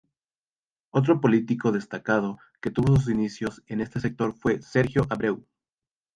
Otro político destacado que tuvo sus inicios en este sector fue Sergio Abreu.